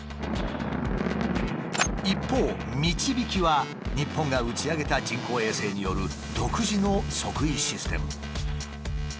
一方「みちびき」は日本が打ち上げた人工衛星による独自の測位システム。